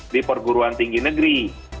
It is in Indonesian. di perguruan tinggi negeri